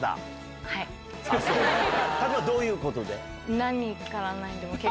例えばどういうことで？